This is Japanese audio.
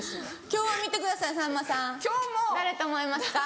今日は見てくださいさんまさん誰と思いますか？